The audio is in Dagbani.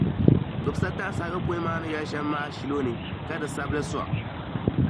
Gbibi satahinsi ayopɔin maa ni yɛli shɛm maa ashilɔni, ka di sabi li sɔŋ!